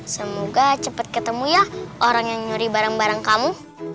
semoga cepat ketemu ya orang yang nyuri barang barang kamu